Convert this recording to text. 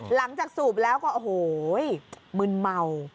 หลังจากสูบแล้วก็โอ้โฮมึนเมา